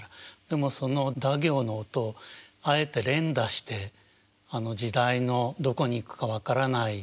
でもそのだ行の音をあえて連打して時代のどこに行くか分からない